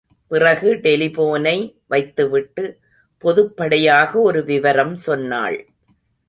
பிறகு டெலிபோனை வைத்துவிட்டு பொதுப்படையாக ஒரு விவரம் சொன்னாள்.